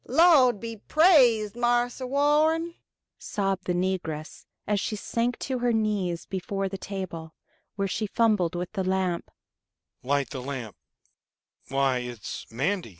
"Lawd be praised, Marse Warren," sobbed the negress, as she sank to her knees before the table, where she fumbled with the lamp. "Light the lamp